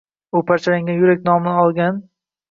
U “Parchalangan yurak” nomi ostida ham malum.